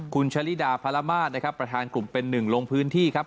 คุณชะลิดาพระรมาศนะครับประธานกลุ่มเป็นหนึ่งลงพื้นที่ครับ